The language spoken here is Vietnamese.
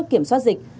để kiểm soát dịch